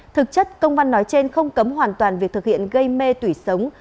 thực chất công văn nói trên không cấm hoàn toàn việc thực hiện gây mê tủy sống